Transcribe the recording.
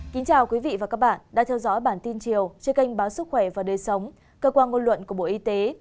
kính chào quý vị và các bạn đang theo dõi bản tin chiều trên kênh báo sức khỏe và đời sống cơ quan ngôn luận của bộ y tế